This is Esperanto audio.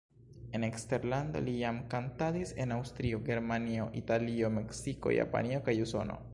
En eksterlando li jam kantadis en Aŭstrio, Germanio, Italio, Meksiko, Japanio kaj Usono.